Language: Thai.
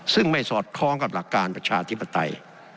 ซึ่งไม่สอดคล้องกับหลักการประชาธิปไตย